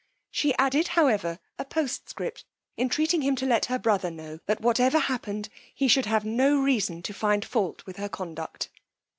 She added, however, a postscript, entreating him to let her brother know, that whatever happened, he should have no reason to find fault with her conduct.